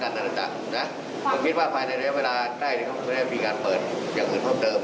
ทำยังไงก็จะปลอดภัยในประเทศของเราให้ได้โดยดูดที่สุด